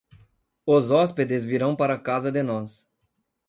Os hóspedes virão para casa de nós.